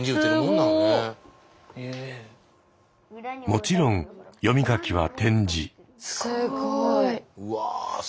もちろん読み書きは点字。